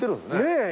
ねえ。